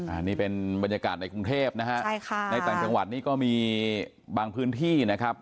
อันนี้เป็นบรรยากาศในกรุงเทพฯในแต่งจังหวัดนี้ก็มีบางพื้นที่นะครับ